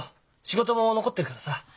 仕事も残ってるからさ。